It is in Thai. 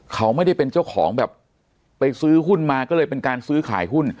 เขาไม่ได้เป็นเจ้าของแบบไปซื้อหุ้นมาก็เลยเป็นการซื้อขายหุ้น